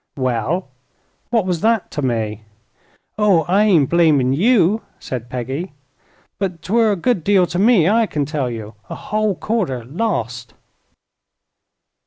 "Well, what was that to me?" "Oh, I ain't blamin' you," said Peggy; "but 'twere a good deal to me, I kin tell ye. A whole quarter lost!"